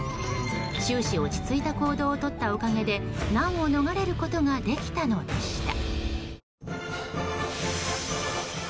終始、落ち着いた行動をとったおかげで難を逃れることができたのでした。